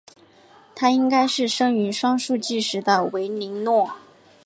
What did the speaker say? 她应该是生于双树纪时的维林诺。